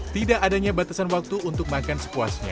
tidak adanya batasan waktu untuk makan sepuasnya